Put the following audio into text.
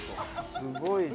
すごいね。